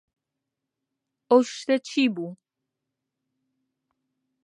ئەو شتە چی بوو؟